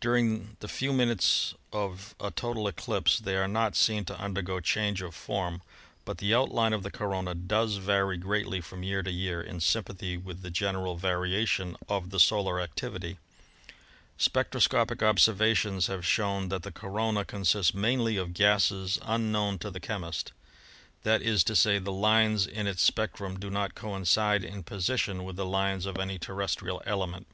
During the few minutes of a total eclipse they are not seen to undergo change of form, but the outline of the corona does vary greatly from year to year, in sympathy with the general variation of the solar activity. "Spectroscopic observations have shown that the corona consists mainly of gases unknown to the chemist. That is to say, the lines in its spectrum do not coincide in position with the lines of any terrestrial element.